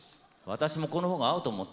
私もこの方が合うと思ってんのよね。